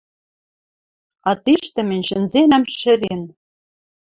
А тиштӹ мӹнь шӹнзенӓм шӹрен